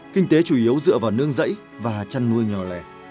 kinh tế chủ yếu dựa vào nương rẫy và chăn nuôi nhỏ lẻ